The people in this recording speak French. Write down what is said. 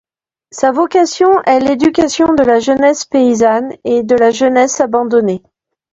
Sa vocation est l'éducation de la jeunesse paysanne et de la jeunesse abandonnée.